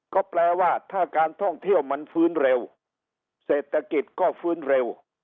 ก็แปลว่าถ้าการท่องเที่ยวมันฟื้นเร็วเศรษฐกิจก็ฟื้นเร็ว